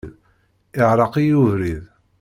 Iɛreq-iyi ubrid.